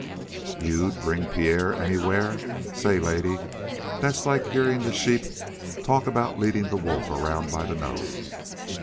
"You'd bring Pierre anywhere? Say, lady, that's like hearing the sheep talk about leading the wolf around by the nose.